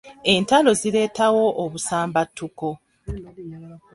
Entalo zireetawo obusambattuko.